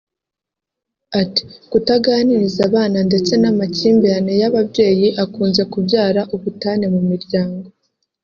Ati “kutaganiriza abana ndetse n’ amakimbirane y’ababyeyi akunze kubyara ubutane mu miryango